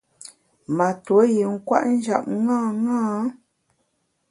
Ma tuo yin kwet njap ṅaṅâ.